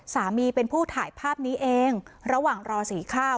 สามีเป็นผู้ถ่ายภาพนี้เองระหว่างรอสีข้าว